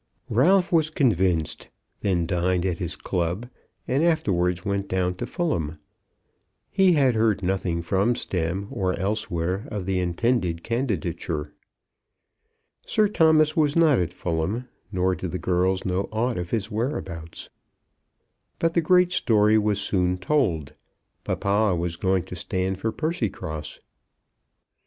Ralph was convinced, then dined at his club, and afterwards went down to Fulham. He had heard nothing from Stemm, or elsewhere, of the intended candidature. Sir Thomas was not at Fulham, nor did the girls know aught of his whereabouts. But the great story was soon told. Papa was going to stand for Percycross.